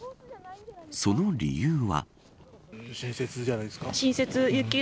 その理由は。